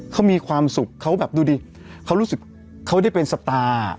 เขามีความสุขเขาแบบดูดิเขารู้สึกเขาได้เป็นสตาร์